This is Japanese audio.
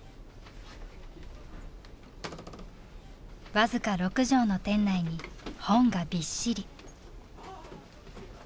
僅か６畳の店内に本がびっしり。